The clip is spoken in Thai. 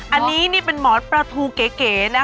อันนี้นี่เป็นหมอนปลาทูเก๋นะ